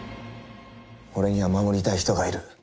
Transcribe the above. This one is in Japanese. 俺には守りたい人がいる。